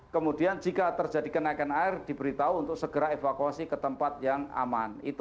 kemudian jika terjadi kenaikan air diberitahu untuk segera evakuasi ke tempat yang aman